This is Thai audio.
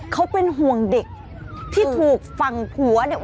เขาเป็นห่วงเด็กที่ถูกฝั่งผัวเนี่ย